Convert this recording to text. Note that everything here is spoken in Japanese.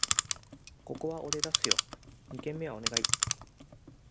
ここは俺出すよ！二軒目はお願い